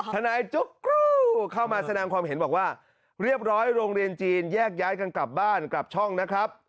ทนายจุ๊กกรูเข้ามาแสดงความเห็นบอกว่าเรียบร้อยโรงเรียนจีนแยกย้ายกันกลับบ้านกลับช่องนะครับ